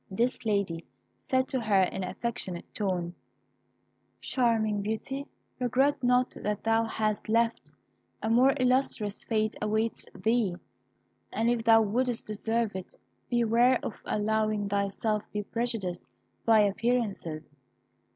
This lady said to her in an affectionate tone "Charming Beauty, regret not that thou hast left; a more illustrious fate awaits thee; but if thou wouldst deserve it, beware of allowing thyself to be prejudiced by appearances."